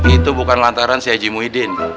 itu bukan lantaran si haji muhyiddin